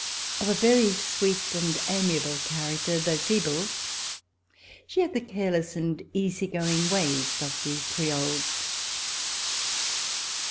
Of a very sweet and amiable character, although feeble, she had the careless and easy going ways of the Creoles.